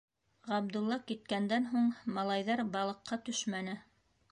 Ғабдулла киткәндән һуң, малайҙар балыҡҡа төшмәне.